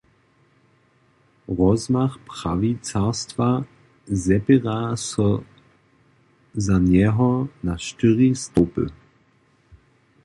Rozmach prawicarstwa zepěra so za njeho na štyri stołpy.